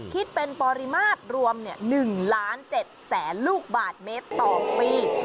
คิดเป็นปริมาตรรวม๑ล้าน๗แสนลูกบาทเมตรต่อปี